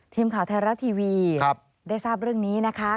ทีมข่าวไทยรัฐทีวีได้ทราบเรื่องนี้นะคะ